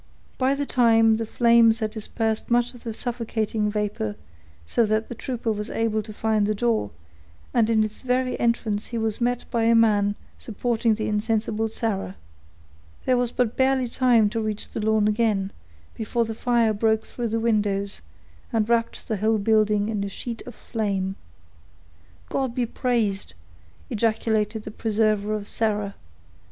By this time the flames had dispersed much of the suffocating vapor, so that the trooper was able to find the door, and in its very entrance he was met by a man supporting the insensible Sarah. There was but barely time to reach the lawn again, before the fire broke through the windows, and wrapped the whole building in a sheet of flame. "God be praised!" ejaculated the preserver of Sarah.